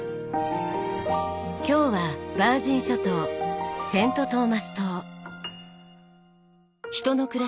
今日はヴァージン諸島セント・トーマス島。